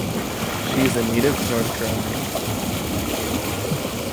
She is a native North Carolinian.